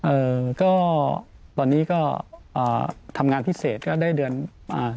เอ่อก็ตอนนี้ก็อ่าทำงานพิเศษก็ได้เดินอ่า